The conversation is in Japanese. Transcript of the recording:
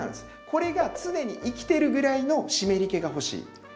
これが常に生きてるぐらいの湿り気が欲しい。